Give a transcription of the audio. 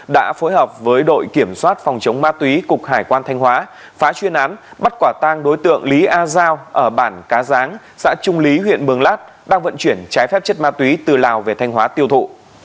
đã phối hợp với đội kiểm soát phòng chống ma túy cục hải quan thanh hóa phá chuyên án bắt quả tang đối tượng lý a giao ở bản cá ráng xã trung lý huyện mường lát đang vận chuyển trái phép chất ma túy từ lào về thanh hóa tiêu thụ